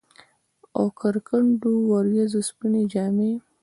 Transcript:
اوکر کنډو ، وریځو سپيني جامې